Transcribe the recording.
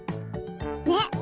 ねっ。